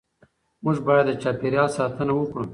موږ باید د چاپېریال ساتنه وکړو